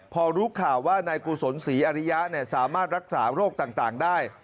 พอรู้ข่าวว่านายกุศลศรีอริยะสามารถรักษาโรคต่างได้